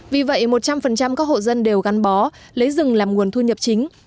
vì vậy một trăm linh các hộ dân đều gắn bó lấy rừng làm nguồn thu nhập chính